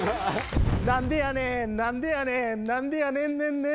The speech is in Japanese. なんでやねんなんでやねんなんでやねんねんねん。